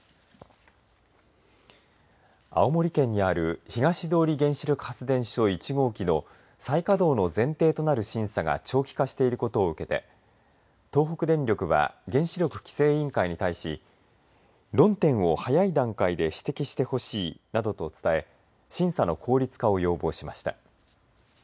青森県にある東通原子力発電所１号機の再稼働の前提となる審査が長期化していることを受けて東北電力は原子力規制委員会に対し論点を早い段階で指摘してほしいなどと伝え、審査の効率化を要望しました。